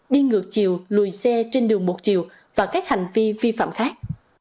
đi ngược chiều lùi xe trên đường một chiều và các hành vi vi phạm khác